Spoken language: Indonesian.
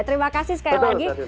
terima kasih sekali lagi